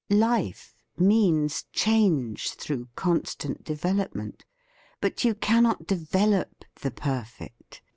Life means change through constant development. But you cannot develop the perfect.